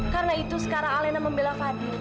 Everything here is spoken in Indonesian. karena itu sekarang alena membela fadil